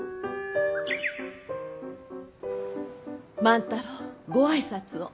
万太郎ご挨拶を。